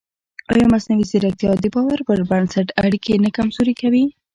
ایا مصنوعي ځیرکتیا د باور پر بنسټ اړیکې نه کمزورې کوي؟